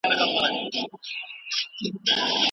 پوهان به نوي نظریات وړاندې کړي.